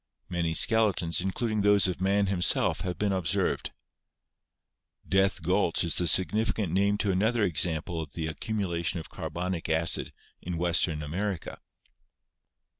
Many skeletons, in cluding those of man himself, have been observed. "Death Gulch" is the significant name given to another example of the accumulation of carbonic acid in Western America.